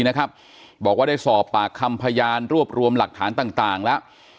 นะครับบอกว่าได้สอบปากคำพยานรวบรวมหลักฐานต่างแล้ว